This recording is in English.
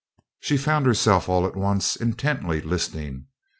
She found herself all at once intently listening.